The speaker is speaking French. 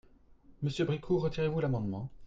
Monsieur Bricout, retirez-vous l’amendement ?